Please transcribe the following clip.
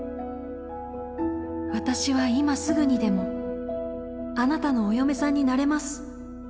私は今すぐにでもあなたのお嫁さんになれます